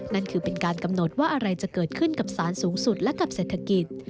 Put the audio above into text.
นั่นคือเป็นการกำหนดว่าอะไรจะเกิดขึ้นกับสารสูงสุดและกับเศรษฐกิจ